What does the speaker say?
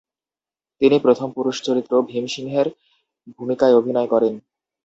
তিনি প্রথম পুরুষ চরিত্র ভীমসিংহের ভূমিকায় অভিনয় করেন।